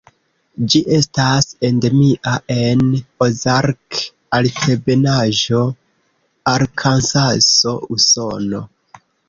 Ĝi estas endemia en Ozark-Altebenaĵo, Arkansaso, Usono.